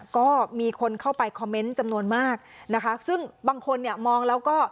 ก็มีคนเข้าไปคอมเมนต์จำนวนมากนะคะซึ่งบางคนเนี่ยมองแล้วก็